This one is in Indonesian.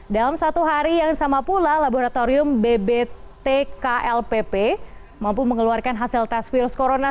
dalam satu hari yang sama pula laboratorium bbtklpp mampu mengeluarkan hasil tes virus corona